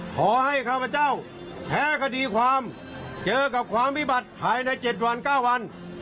ข้าพเจ้าแพ้คดีความเจอกับความวิบัติภายใน๗วัน๙วัน